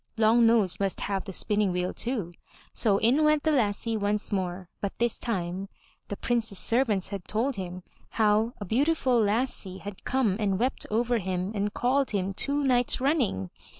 Long nose must have the spinning wheel too, so in went the lassie once more. But this time, the Prince's servants had told him how a beautiful lassie had come and wept over him and called him two nights running.